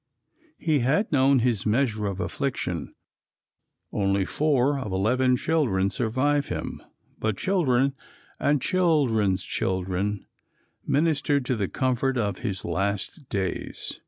He had known his measure of affliction; only four of eleven children survive him, but children and children's children ministered to the comfort of his last days.